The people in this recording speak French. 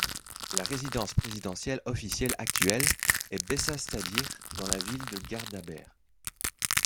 La résidence présidentielle officielle actuelle est Bessastaðir, dans la ville de Garðabær.